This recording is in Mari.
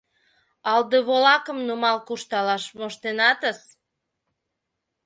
— Алдыволакым нумал куржталаш моштенатыс.